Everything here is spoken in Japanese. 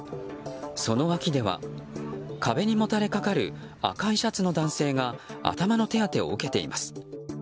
その脇では、壁にもたれかかる赤いシャツの男性が頭の手当てを受けています。